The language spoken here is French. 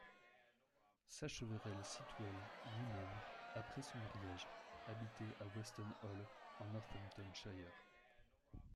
Sacheverell Sitwell lui-même, après son mariage, habitait à Weston Hall en Northamptonshire.